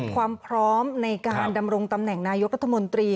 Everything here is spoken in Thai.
ความพร้อมในการดำรงตำแหน่งนายกรัฐมนตรี